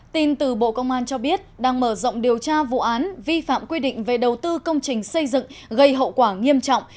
tin từ bộ công an cho biết đang mở rộng điều tra vụ án vi phạm quy định về đầu tư công trình xây dựng gây hậu quả nghiêm trọng